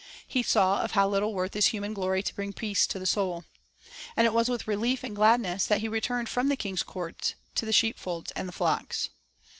He saw of how little worth is human glory to bring peace to the soul. And it was with relief and gladness that he returned from the king's court to the sheepfolds and the flocks.